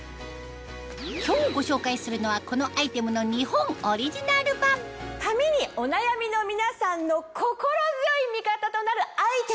今日ご紹介するのはこのアイテムの日本オリジナル版髪にお悩みの皆さんの心強い味方となるアイテム